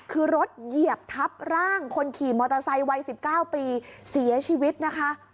คือรถเหยียบทับร่างคนขี่มอเตอร์ไซค์วัย๑๙ปีเสียชีวิตนะคะ